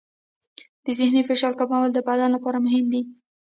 د ذهني فشار کمول د بدن لپاره مهم دي.